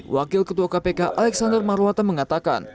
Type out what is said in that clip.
wakil ketua kpk alexander marwata mengatakan